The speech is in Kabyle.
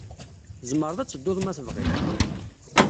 Tzemreḍ ad tedduḍ ma tebɣiḍ.